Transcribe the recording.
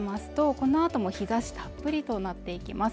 このあとも日ざしたっぷりとなっていきます